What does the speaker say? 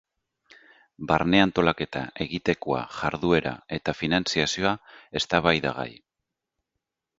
Barne antolaketa, egitekoa, jarduera eta finantzazioa eztabaidagai.